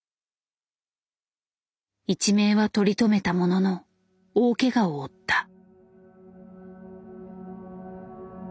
一命は取り留めたものの大ケガを負った。